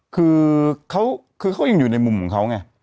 คือเขายังอยู่ในมุมของเขาไง